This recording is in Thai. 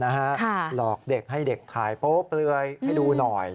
หลอกเด็กให้เด็กถ่ายจริง